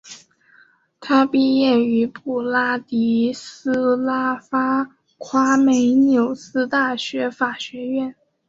他毕业于布拉迪斯拉发夸美纽斯大学法学院。